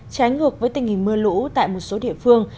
trái ngược với tình hình mưa lũ tại một số địa phương